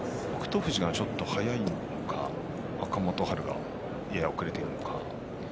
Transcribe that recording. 富士が早いのか若元春がやや遅れているのか。